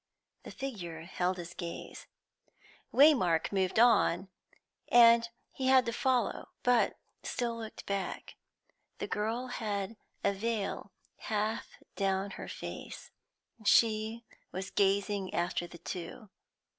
The figure held his gaze. Waymark moved on, and he had to follow, but still looked back. The girl had a veil half down upon her face; she was gazing after the two.